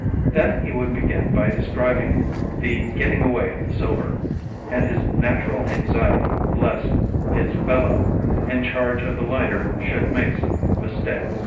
Then he would begin by describing the getting away of the silver, and his natural anxiety lest "his fellow" in charge of the lighter should make some mistake.